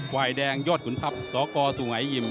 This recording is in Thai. ฝ่ายแดงยอดทัพสอบก้อสุงัยยิม